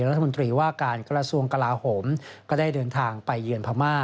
รัฐมนตรีว่าการกระทรวงกลาโหมก็ได้เดินทางไปเยือนพม่า